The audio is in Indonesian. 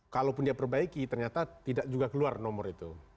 kalaupun dia perbaiki ternyata tidak juga keluar nomor itu